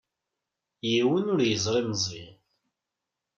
Yiwen ur yeẓri Meẓyan.